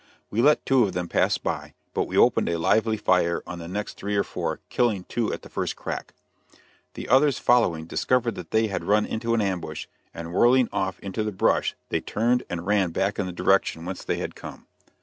We let two of them pass by, but we opened a lively fire on the next three or four, killing two at the first crack. The others following, discovered that they had run into an ambush, and whirling off into the brush they turned and ran back in the direction whence they had come.